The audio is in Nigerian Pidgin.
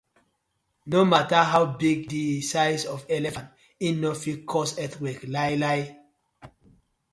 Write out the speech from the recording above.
No matta how big di size of elephant, e no fit cause earthquake lai la.